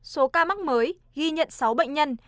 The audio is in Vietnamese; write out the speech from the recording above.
số ca mắc mới ghi nhận sáu bệnh nhân